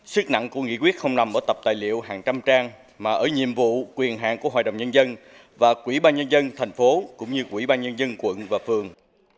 sức nặng của nghị quyết không nằm ở tập tài liệu hàng trăm trang mà ở nhiệm vụ quyền hạn của hội đồng nhân dân và quỹ ban nhân dân thành phố cũng như quỹ ban nhân dân quận và phường